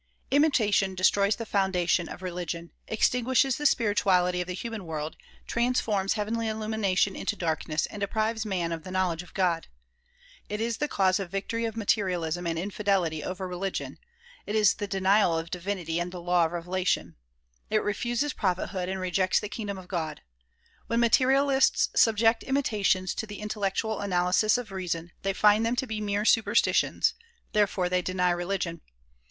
Imitation destroys the foundation of religion, extinguishes the spirituality of the human world, transforms heavenly illumination into darkness and deprives man of the knowledge of God. It is the cause of the victory of materialism and infidelity over religion ; it is the denial of divinity and the law of revelation; it refuses prophethood and rejects the kingdom of God. When materialists subject imitations to the intellectual analysis of reason they find them to be mere superstitions ; therefore they deny religion.